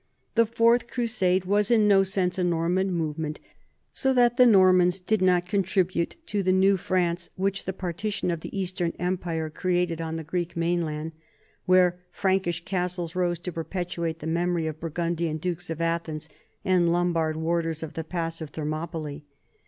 The Fourth Crusade was in no sense a Norman movement, so that the Normans did not contribute to the new France which the partition of the Eastern empire created on the Greek mainland, where Frankish castles rose to perpetuate the memory of Burgundian dukes of Athens and Lombard wardens of the pass of Thermopylae.